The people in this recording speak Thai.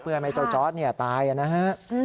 เพื่อไม่ให้เจ้าจอร์ดตายนะฮะ